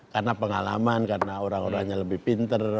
karena pengalaman karena orang orangnya lebih pinter